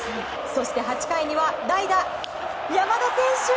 そして、８回には代打、山田選手。